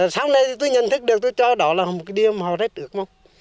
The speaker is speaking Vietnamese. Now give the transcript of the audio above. sau này tôi nhận thức được tôi cho đó là một cái điều mà họ rất ước mong